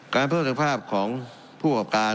การเพื่อสำคัญภาพของผู้กราบการ